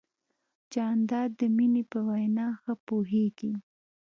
جانداد د مینې په وینا ښه پوهېږي.